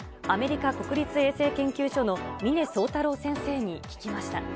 アメリカ国立衛生研究所の峰宗太郎先生に聞きました。